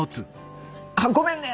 あっごめんね！